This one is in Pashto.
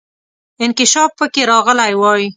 انکشاف پکې راغلی وای.